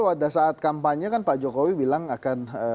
pada saat kampanye kan pak jokowi bilang akan